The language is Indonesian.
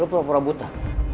lo pura pura buta